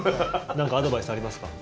何かアドバイスありますか？